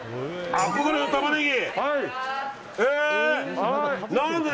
憧れのタマネギ！